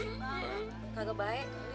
gak ada baik